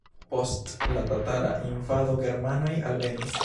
Post la tatara invado germanoj alvenis.